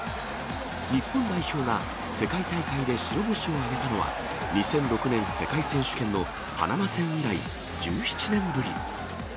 日本代表が世界大会で白星を挙げたのは、２００６年世界選手権のパナマ戦以来、１７年ぶり。